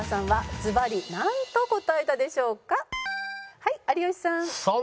はい有吉さん。